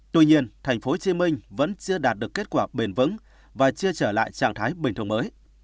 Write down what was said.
tuy nhiên tp hcm vẫn chưa đạt được kết quả bền vững và chưa trở lại trạng thái bình thường mới